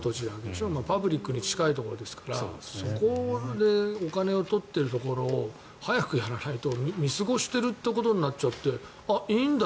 パブリックに近いところですからそこでお金を取ってるところを早くやらないと見過ごしているということになっちゃってあ、いいんだ